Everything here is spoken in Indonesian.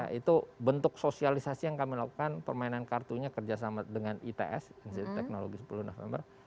nah itu bentuk sosialisasi yang kami lakukan permainan kartunya kerjasama dengan its institut teknologi sepuluh november